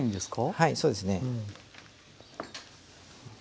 はいそうですね。